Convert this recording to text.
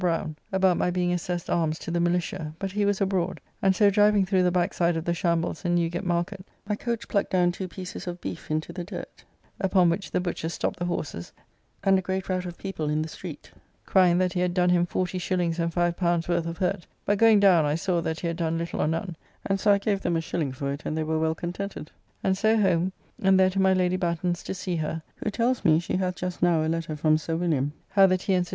Browne, about my being assessed armes to the militia; but he was abroad; and so driving through the backside of the Shambles in Newgate Market, my coach plucked down two pieces of beef into the dirt, upon which the butchers stopped the horses, and a great rout of people in the street, crying that he had done him 40s and L5 worth of hurt; but going down, I saw that he had done little or none; and so I give them a shilling for it and they were well contented, and so home, and there to my Lady Batten's to see her, who tells me she hath just now a letter from Sir William, how that he and Sir J.